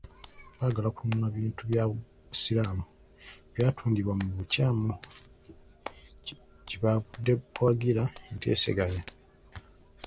Baagala kunnunula bintu bya Busiraamu ebyatundibwa mu bukyamu kye bavudde bawagira enteeseganya.